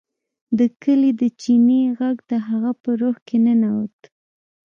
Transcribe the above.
د کلي د چینې غږ د هغه په روح کې ننوت